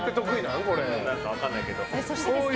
分かんないけど。